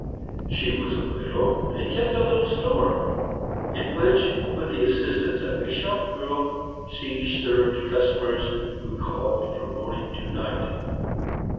She was a widow, and kept a little store, in which, with the assistance of a shop girl, she served customers, who called from morning to night.